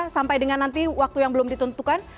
sampai dengan nanti waktu yang belum ditentukan